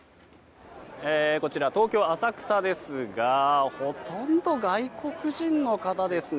こちら東京・浅草ですがほとんど外国人の方ですね。